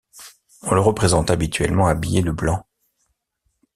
On le représente habituellement habillé de blanc.